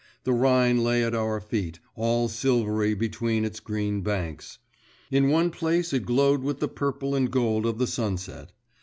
The Rhine lay at our feet, all silvery between its green banks; in one place it glowed with the purple and gold of the sunset.